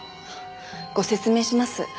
ご説明します。